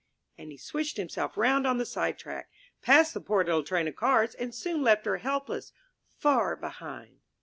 '* And he switched himself round on the sidetrack, passed the poor little Train of Cars, and soon left her helpless, far behind!